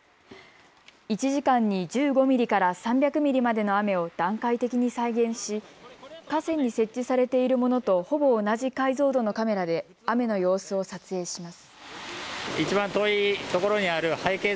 １時間に１５ミリから３００ミリまでの雨を段階的に再現し、河川に設置されているものとほぼ同じ解像度のカメラで雨の様子を撮影します。